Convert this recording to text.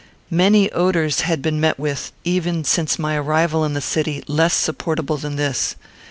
Many odours had been met with, even since my arrival in the city, less supportable than this.